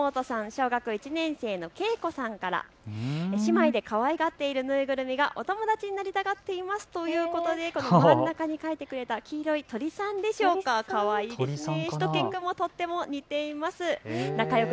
小学１年生けいこさんから、姉妹でかわいがっている縫いぐるみがお友達になりたがってますということで真ん中に描いてくれた黄色い鳥さんでしょうかかわいいですね。